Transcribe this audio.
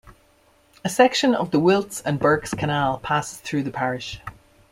A section of the Wilts and Berks Canal passes through the parish.